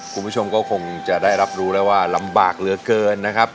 คุณผู้ชมก็คงจะได้รับรู้แล้วว่าลำบากเหลือเกินนะครับ